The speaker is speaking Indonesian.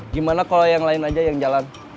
gimana kalau yang lain aja yang jalan